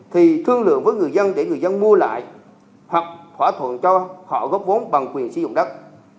thì thương lượng với người dân để người dân mua lại hoặc thỏa thuận cho họ góp vốn bằng quyền sử dụng đất